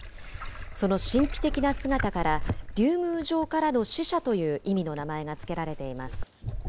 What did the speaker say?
その神秘的な姿から、竜宮城からの使者という意味の名前が付けられています。